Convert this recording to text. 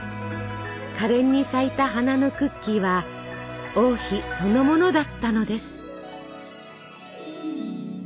可憐に咲いた花のクッキーは王妃そのものだったのです。